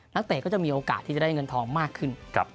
เตะก็จะมีโอกาสที่จะได้เงินทองมากขึ้น